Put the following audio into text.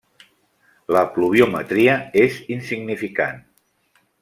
La pluviometria és insignificant.